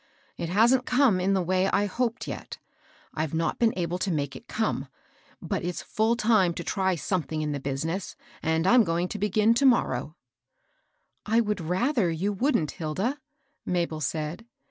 It hasn't come in the way I hoped yet ; I've not been able to make it come ; but it's full time to try something in the business, and I'm going to begin to morrow." 240 MABEL ROSS. " I would rather you wouldn't, Hilda," Mabel said.